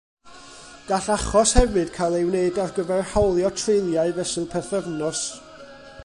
Gall achos hefyd cael ei wneud ar gyfer hawlio treuliau fesul pythefnos